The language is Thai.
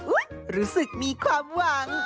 รู้สึกมีความหวัง